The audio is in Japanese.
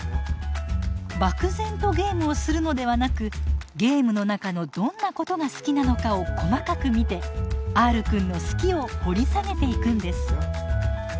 漠然とゲームをするのではなくゲームの中のどんなことが好きなのかを細かく見てＲくんの「好き」を掘り下げていくんです。